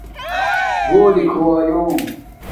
گُولی کھایُوم